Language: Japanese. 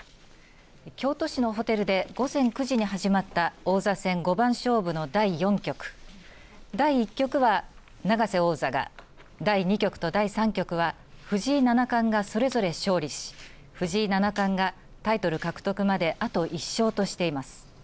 京都市のホテルで午前９時に始まった王座戦五番勝負の第４局第１局は永瀬王座が第２局と第３局は藤井七冠がそれぞれ勝利し藤井七冠がタイトル獲得まであと１勝としています。